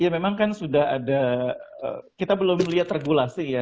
ya memang kan sudah ada kita belum lihat regulasi ya